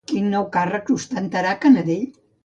Quin nou càrrec ostentarà Canadell?